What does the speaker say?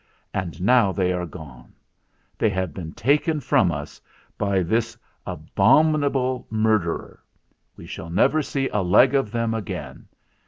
And now they are gone. They have been taken from us by this abominable mur derer. We shall never see a leg of them again.